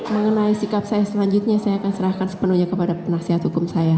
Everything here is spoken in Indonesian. mengenai sikap saya selanjutnya saya akan serahkan sepenuhnya kepada penasihat hukum saya